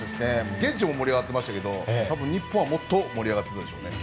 現地も盛り上がってましたけど日本はもっと盛り上がってたでしょうね。